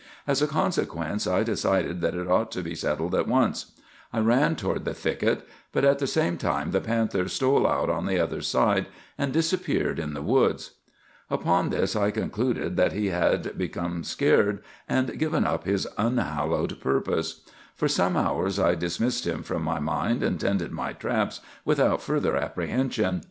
As a consequence, I decided that it ought to be settled at once. I ran toward the thicket; but at the same time the panther stole out on the other side, and disappeared in the woods. "Upon this I concluded that he had become scared, and given up his unhallowed purpose. For some hours I dismissed him from my mind, and tended my traps without further apprehension.